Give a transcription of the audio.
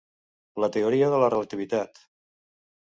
La teoria de la relativitat.